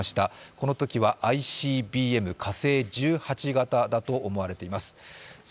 このときはＩＣＢＭ火星１８型だと思われています。